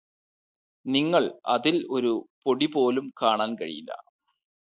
നിങ്ങള് അതിൽ ഒരു പൊടി പോലും കാണാൻ കഴിയില്ല